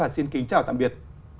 xin kính chào tạm biệt